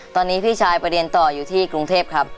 ตอนนี้พี่ชายไปเรียนต่ออยู่ที่กรุงเทพครับ